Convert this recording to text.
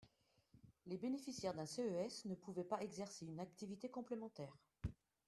Les bénéficiaires d’un CES ne pouvaient pas exercer une activité complémentaire.